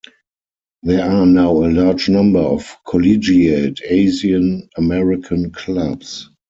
There are now a large number of collegiate Asian-American clubs.